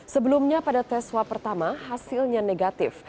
sebelumnya pada tes swab pertama hasilnya negatif